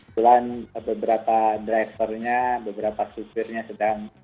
mulai beberapa drivernya beberapa sopirnya sedang